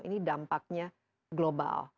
ini dampaknya global